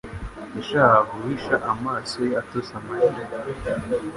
yashakaga guhisha amaso ye atose amarira